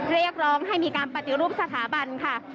เรียกร้องให้มีการปฏิรูปสถาบันค่ะ